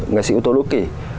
nghệ sĩ u tô lũ kỳ